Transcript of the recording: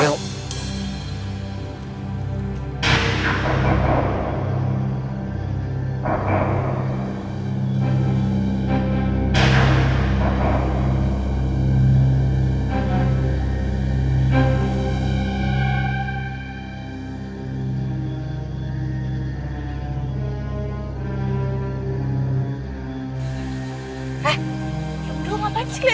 eh itu apaan